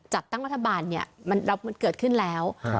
จัดตั้งวัฒนบาลมันเกิดขึ้นแล้ว